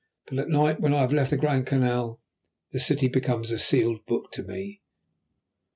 But at night, when I have left the Grand Canal, the city becomes a sealed book to me.